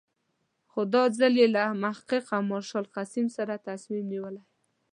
خو دا ځل یې له محقق او مارشال قسیم سره تصمیم نیولی.